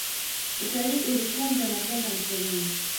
utalii ulikumbwa na janga la korona